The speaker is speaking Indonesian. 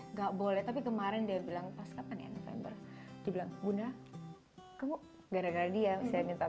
nggak boleh tapi kemarin dia bilang pas kapan ya november dibilang bunda kamu gara gara dia saya minta